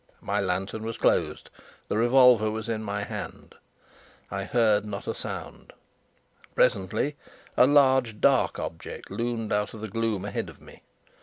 My lantern was closed, the revolver was in my hand. I heard not a sound. Presently a large dark object loomed out of the gloom ahead of me.